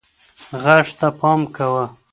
غږ ته پام کوه.